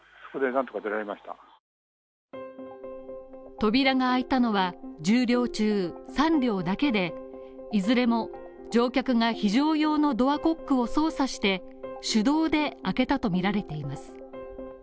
扉が開いたのは１０両中３両だけで、いずれも乗客が非常用のドアコックを操作して手動で開けたとみられています。